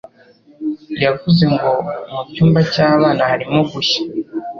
yavuze ngo mu cyumba cy'abana harimo gushya,